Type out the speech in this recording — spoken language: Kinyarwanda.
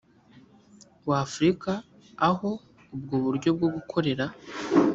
w afurika aho ubwo buryo bwo gukorera